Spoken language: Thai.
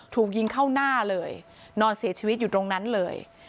ถูกยิงเข้าหน้าเลยนอนเสียชีวิตอยู่ตรงนั้นเลย